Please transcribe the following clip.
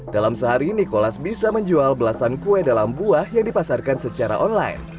dalam sehari nicolas bisa menjual belasan kue dalam buah yang dipasarkan secara online